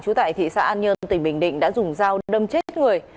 chú tại thị xã an nhơn tỉnh bình định đã dùng dao đâm chết người